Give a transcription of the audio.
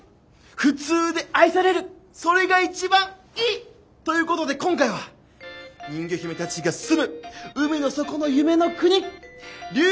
普通で愛されるそれが一番いい！ということで今回は人魚姫たちが住む海の底の夢の国竜